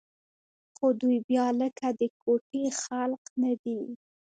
خو دوى بيا لکه د کوټې خلق نه دي.